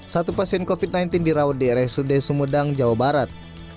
satu pasien covid sembilan belas dirawat di rsud sumedang jawa barat